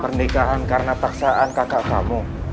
pernikahan karena paksaan kakak kamu